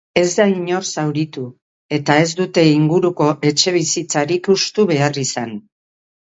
Ez da inor zauritu, eta ez dute inguruko etxebizitzarik hustu behar izan.